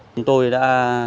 chúng tôi đã